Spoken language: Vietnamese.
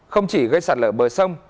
không chỉ gây sạt lở bờ sông